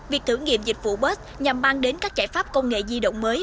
việc thử nghiệm dịch vụ bus nhằm mang đến các giải pháp công nghệ di động mới